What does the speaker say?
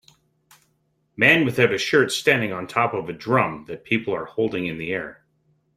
Man without shirt standing on top of a drum that people are holding in the air.